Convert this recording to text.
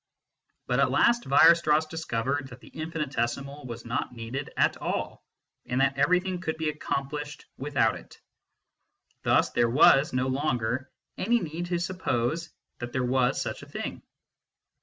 But at last Weierstrass discovered that the infinitesimal was not needed at all, and that everything could be accomplished without it. Thus there was no longer any need to suppose that there was such a thing.